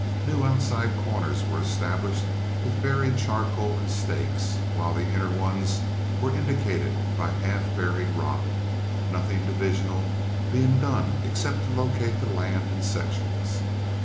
New outside corners were established with buried charcoal and stakes, while the inner ones were indicated by half buried rock, nothing divisional being done except to locate the land in sections.